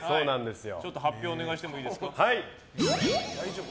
発表をお願いしてもいいですか。